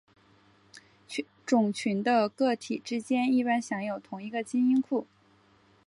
种群的个体之间一般享有同一个基因库。